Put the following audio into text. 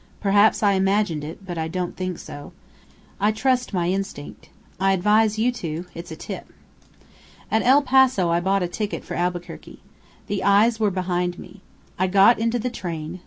Perhaps I imagined it. But I don't think so. I trust my instinct. I advise you to! It's a tip. "At El Paso I bought a ticket for Albuquerque. The eyes were behind me. I got into the train.